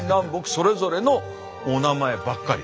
それぞれのお名前ばっかり。